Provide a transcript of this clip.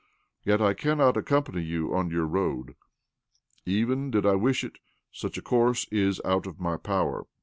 Yet I cannot accompany you on your rojad. Even did I wisb it, such a course is out of my power.